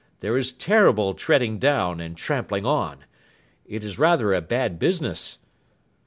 There is terrible treading down, and trampling on. It is rather a bad business.